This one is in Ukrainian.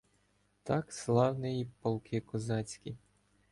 Так славниї полки козацькі